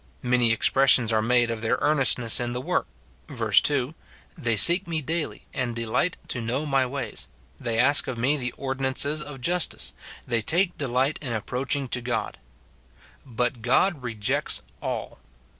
many expressions are made of their earnestness in the work, verse 2, " They seek me daily, and delight to know my ways ; they ask of me the ordinances of justice ; they take delight in approaching to God." But God rejects all.